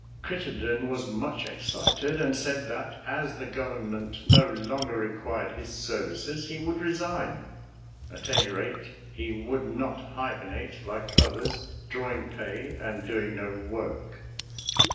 Crittenden was much excited, and said that, as the Government no longer required his services, he would resign; at any rate, he would not hibernate like others, drawing pay and doing no work.